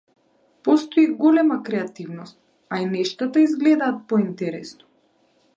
Постои голема креативност, а и нештата изгледаат поинтересно.